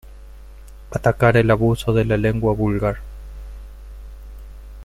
Ataca el abuso de la lengua vulgar.